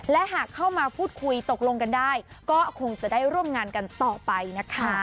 และหากเข้ามาพูดคุยตกลงกันได้ก็คงจะได้ร่วมงานกันต่อไปนะคะ